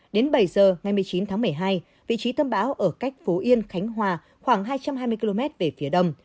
đến bảy giờ ngày một mươi chín tháng một mươi hai vị trí tâm bão ở cách phố yên khánh hòa khoảng hai trăm hai mươi km về phía đông